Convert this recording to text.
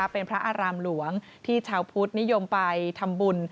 เป็นพระอารามหลวงที่ชาวพุทธนิยมไปทำบุญ